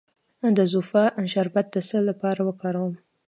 د زوفا شربت د څه لپاره وکاروم؟